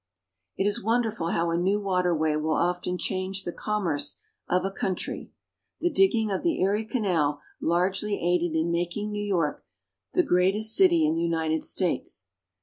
_ It is wonderful how a new waterway will often change the commerce of a country. The digging of the Erie Canal largely aided in making New York the greatest city in the United States.